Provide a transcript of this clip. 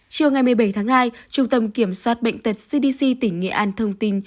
chiều ngày một mươi bảy tháng hai trung tâm kiểm soát bệnh tật cdc tỉnh nghệ an thông tin